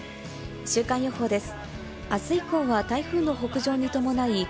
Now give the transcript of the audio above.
週間予報です。